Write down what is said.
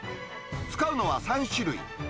使うのは３種類。